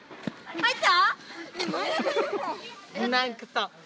入った！